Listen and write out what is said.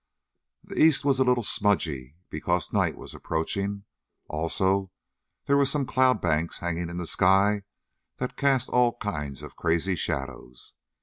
The east was a little smudgy because night was approaching. Also there were some cloud banks hanging in the sky that cast all kinds of crazy shadows.